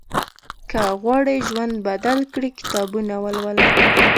که غواړې ژوند بدل کړې، کتابونه ولوله.